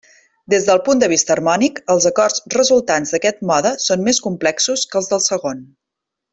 Des del punt de vista harmònic, els acords resultants d'aquest mode són més complexos que els del segon.